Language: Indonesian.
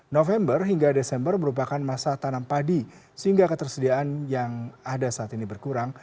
november hingga desember merupakan masa tanam padi sehingga ketersediaan yang ada saat ini berkurang